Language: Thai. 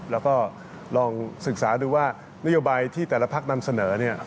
แล้วก็ลองศึกษาดูว่านโยบายที่แต่ละพักนำเสนอเนี่ย